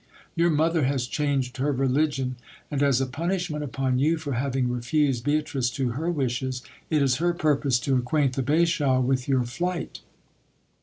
Your mother has changed her religion ; and as a punish ment upon you for having refused Beatrice to her wishes, it is her purpose to acquaint the bashaw with your flight.